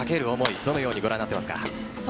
どのようにご覧になっていますか？